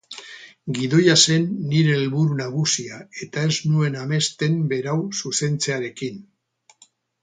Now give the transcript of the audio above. Gidoia zen nire helburu nagusia eta ez nuen amesten berau zuzentzearekin.